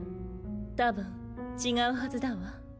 多分違うはずだわ。